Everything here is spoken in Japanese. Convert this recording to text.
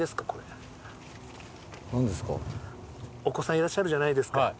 お子さんいらっしゃるじゃないですか。